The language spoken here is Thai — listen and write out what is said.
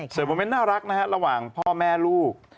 ส่วนโมเมนต์น่ารักนะฮะระหว่างพ่อแม่ลูก